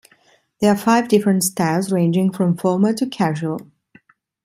There are five different styles, ranging from formal to casual.